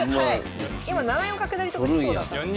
今７四角成とかしそうだったんですけど。